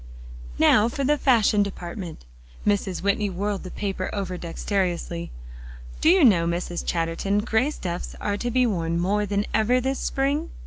"Now for the fashion department." Mrs. Whitney whirled the paper over dexterously. "Do you know, Mrs. Chatterton, gray stuffs are to be worn more than ever this spring?"